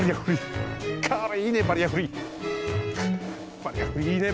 バリアフリーいいね。